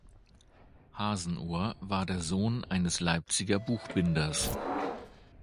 Hasenohr war der Sohn eines Leipziger Buchbinders.